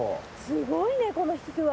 すごいねこの引き具合。